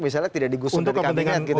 misalnya tidak digusung dari kandungan gitu